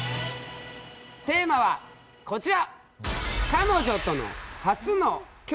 テーマはこちら！